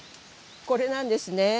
これなんですね。